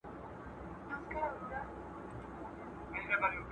په جنازه کي یې اویا زرو ملکو ژړل !.